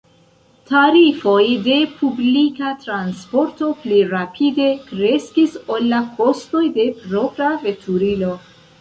Tarifoj de publika transporto pli rapide kreskis ol la kostoj de propra veturilo.